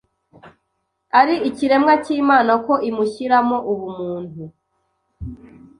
ari ikiremwa cy’Imana ko imushyiramo ubumuntu